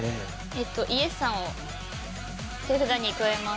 イエッサンを手札に加えます。